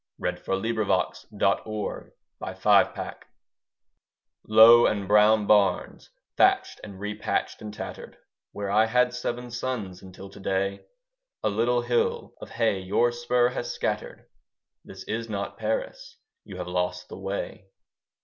JAMES BERNARD FAGAN THE WIFE OF FLANDERS Low and brown barns, thatched and repatched and tattered, Where I had seven sons until to day A little hill of hay your spur has scattered.... This is not Paris. You have lost the way.